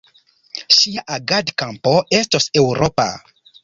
Ŝia agadkampo estos eŭropa.